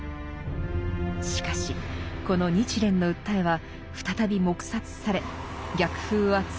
しかしこの日蓮の訴えは再び黙殺され逆風は強まりました。